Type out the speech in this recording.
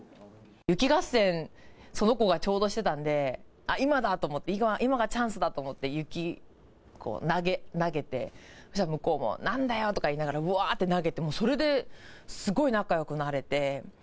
雪合戦、その子がちょうどしてたので、あっ、今だと思って、今がチャンスだと思って、雪投げて、そうしたら、向こうも、なんだようって言いながら、うわーって投げて、それですごい仲よくなれて。